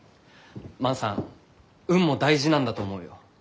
万さん運も大事なんだと思うよ。